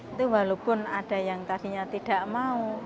itu walaupun ada yang tadinya tidak mau